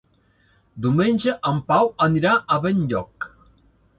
Diumenge en Pau anirà a Benlloc.